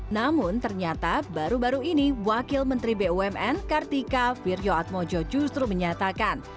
namun ternyata baru baru ini wakil menteri bumn kartika firjoatmojo justru menyatakan